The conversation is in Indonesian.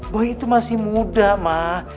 bu itu masih muda mah